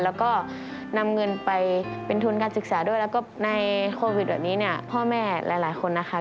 แล้วก็นำเงินไปเป็นทุนการศึกษาด้วยแล้วก็ในโควิดแบบนี้เนี่ยพ่อแม่หลายคนนะคะ